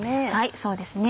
そうですね。